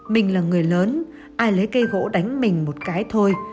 mình là người lớn ai lấy cây gỗ đánh mình một cái thôi